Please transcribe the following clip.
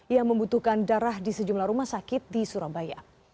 yang membutuhkan darah di sejumlah rumah sakit di surabaya